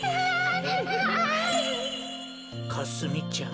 かすみちゃん。